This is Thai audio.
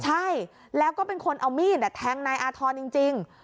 ใช่แล้วก็เป็นคนเอามีดแทงนายอาธรณ์จริง